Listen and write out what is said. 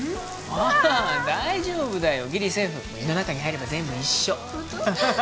ああ大丈夫だよギリセーフ胃の中に入れば全部一緒ホント？